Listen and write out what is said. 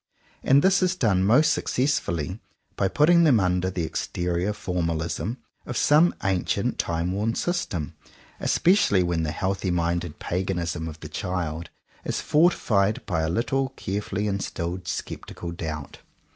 And this is done most successfully by putting them under the exterior formalism of some ancient time worn system, especially when the healthy minded paganism of the child 109 CONFESSIONS OF TWO BROTHERS is fortified by a little carefully instilled scep tical doubt.